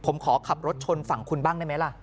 ผมขอขับรถชนฝั่งคุณบ้างได้ไหมล่ะ